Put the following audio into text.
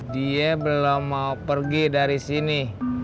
dia belum mau pergi dari sini